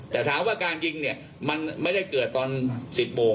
แต่ถามว่าการยิงเนี่ยมันไม่ได้เกิดตอน๑๐โมง